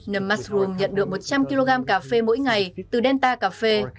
nấm mushroom nhận được một trăm linh kg cà phê mỗi ngày từ delta cà phê